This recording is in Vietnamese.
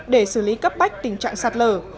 để xử lý cấp bách tình trạng sạt lở